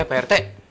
eh pak rt